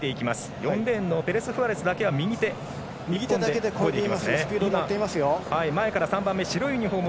４レーンのペレスフアレスだけが右手でこいでいます。